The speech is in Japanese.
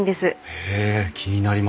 へえ気になりますね！